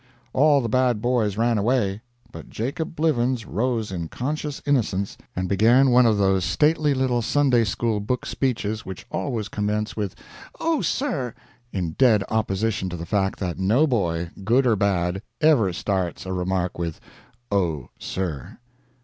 All the bad boys ran away, but Jacob Blivens rose in conscious innocence and began one of those stately little Sunday school book speeches which always commence with "Oh, sir!" in dead opposition to the fact that no boy, good or bad, ever starts a remark with "Oh, sir."